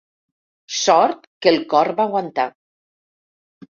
Sort que el cor va aguantar.